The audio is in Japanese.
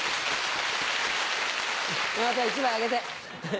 山田さん１枚あげて。